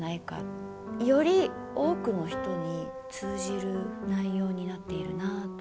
より多くの人に通じる内容になっているなあと。